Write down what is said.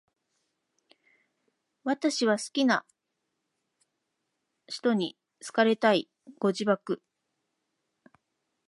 綿 h 氏は好きな使途に好かれたい。ご自爆